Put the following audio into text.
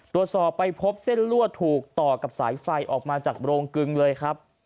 ตรวจสอบไปพบเส้นลั่วถูกต่อกับสายไฟออกมาจากโรงกึงเลยครับ